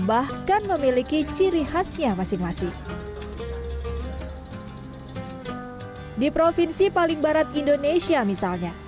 bahkan memiliki ciri khasnya masing masing di provinsi paling barat indonesia misalnya